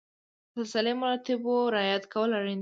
د سلسله مراتبو رعایت کول اړین دي.